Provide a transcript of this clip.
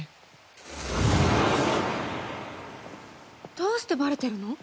どうしてバレてるの？